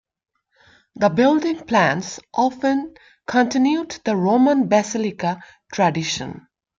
The building plans often continued the Roman basilica tradition.